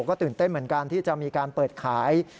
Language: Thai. ก็ตื่นเต้นเหมือนกันที่จะมีการเปิดขาย